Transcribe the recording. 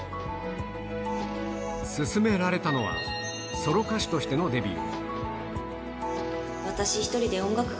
勧められたのは、ソロ歌手としてのデビュー。